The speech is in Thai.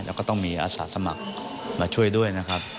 แล้วก็ต้องมีอาสาสมัครมาช่วยด้วยนะครับ